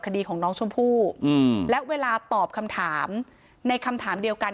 คดีของน้องชมพู่และเวลาตอบคำถามในคำถามเดียวกัน